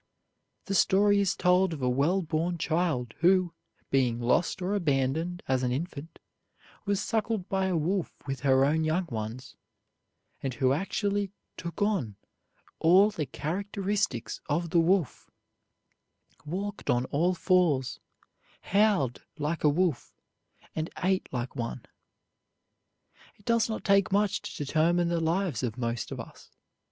The story is told of a well born child who, being lost or abandoned as an infant, was suckled by a wolf with her own young ones, and who actually took on all the characteristics of the wolf, walked on all fours, howled like a wolf, and ate like one. It does not take much to determine the lives of most of us.